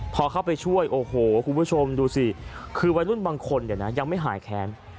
พอเข้าไปช่วยโอ้โหคุณผู้ชมดูสิคือวัยรุ่นบางคนเนี่ยนะยังไม่หายแค้น